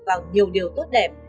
vào nhiều điều tốt đẹp